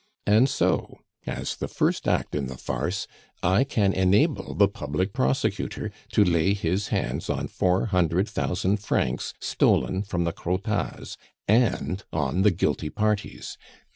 "And so, as the first act in the farce, I can enable the public prosecutor to lay his hands on four hundred thousand francs stolen from the Crottats, and on the guilty parties.